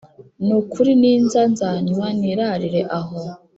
Nukuri ninza nzanywa nirarire aho